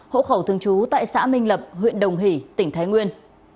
hộ khẩu thường trú tại xã minh lập huyện đồng hỷ tỉnh thái nguyên